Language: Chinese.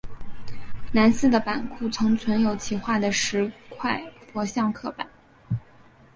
南寺的版库曾存有其画的十块佛像刻版。